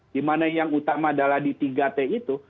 dimana yang utama adalah di tiga t itu